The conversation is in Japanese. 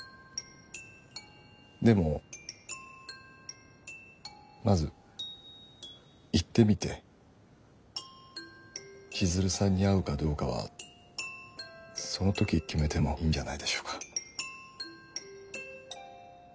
でもまず行ってみて千鶴さんに会うかどうかはその時決めてもいいんじゃないでしょうか？